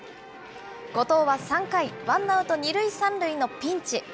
後藤は３回、ワンアウト２塁３塁のピンチ。